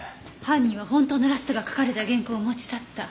犯人は本当のラストが書かれた原稿を持ち去った。